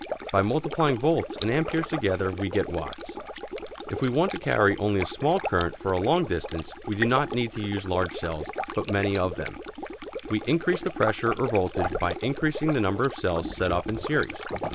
By multiplying volts and ampères together we get watts. If we want to carry only a small current for a long distance we do not need to use large cells, but many of them. We increase the pressure or voltage by increasing the number of cells set up in series.